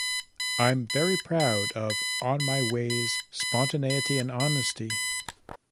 I'm very proud of On My Way's spontaneity and honesty.